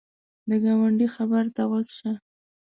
د ګاونډي خبر ته غوږ شه